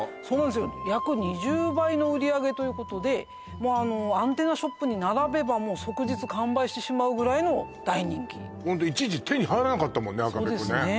そうなんすよ約２０倍の売上ということでアンテナショップに並べば即日完売してしまうぐらいの大人気ホント一時手に入らなかったもんね